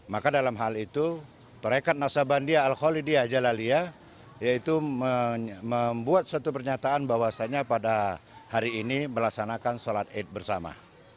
maka dalam hal itu perekat nasabandia al kholidiyah jalaliyah yaitu membuat satu pernyataan bahwasannya pada hari ini melaksanakan sholat id bersama